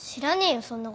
そんなこと。